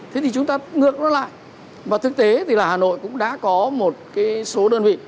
thế thì chúng ta ngược nó lại và thực tế thì là hà nội cũng đã có một cái số đơn vị